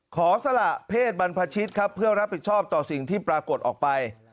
สละเพศบรรพชิตครับเพื่อรับผิดชอบต่อสิ่งที่ปรากฏออกไป